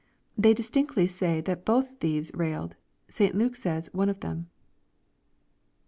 They distinctly sav that both the thieves railed. St. Luke says, " one of them/' 1.